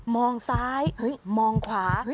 มองซ้ายมองขวา